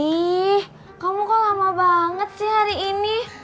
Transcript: nih kamu kok lama banget sih hari ini